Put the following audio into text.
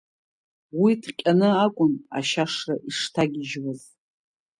Уи ҭҟьаны акәын ашьашра ишҭагьежьуаз.